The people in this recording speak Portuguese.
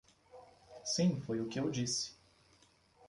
Sim, foi o que eu disse.